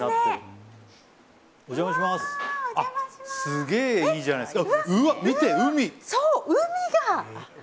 すげえいいじゃないですか。